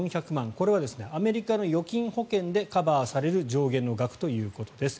これはアメリカの預金保険でカバーされる上限の額ということです。